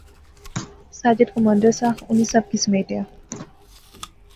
ساجد کمانڈر سا، انی سب کی سمیٹیا